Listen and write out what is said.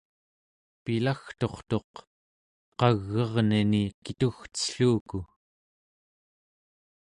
pilagturtuq qag'erneni kitugcelluku